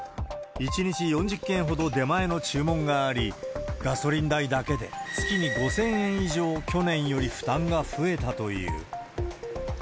１日４０件ほど出前の注文があり、ガソリン代だけで月に５０００円以上、去年より負担が増えたという。